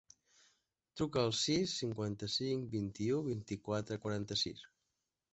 Truca al sis, cinquanta-cinc, vint-i-u, vint-i-quatre, quaranta-sis.